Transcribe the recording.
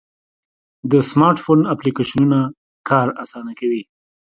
د سمارټ فون اپلیکیشنونه کار آسانه کوي.